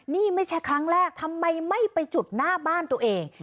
นี่ไม่ใช่ครั้งแรกทำไมไม่ไปจุดหน้าบ้านตัวเอง